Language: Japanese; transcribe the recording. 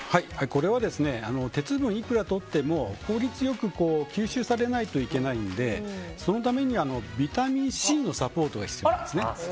これは、鉄分をいくらとっても効率良く吸収されないといけないのでそのためにビタミンＣのサポートが必要なんですね。